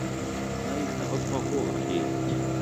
На іх нават па горах ездзяць.